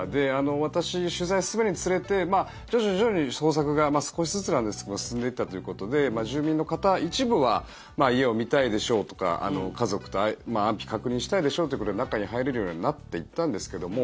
私、取材進めるにつれて徐々に捜索が少しずつなんですけど進んでいったということで住民の方、一部は家を見たいでしょうとか家族の安否確認したいでしょうということで中に入れるようにはなっていったんですけども